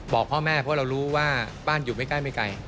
บอกพ่อแม่เพราะเรารู้ว่าบ้านอยู่ไม่ใกล้ไม่ไกล